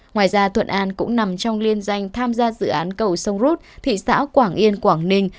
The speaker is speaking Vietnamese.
ngoài ra thuận an cũng nằm trong liên danh tham gia dự án cầu sông rút thị xã quảng yên quảng ninh